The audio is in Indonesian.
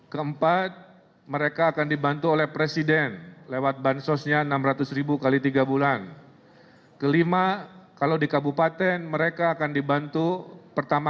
keempat mereka akan dibantu oleh presiden lewat bansosnya dan kemudian mereka akan dibantu oleh bdb